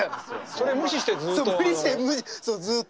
そう無視してそうずっと。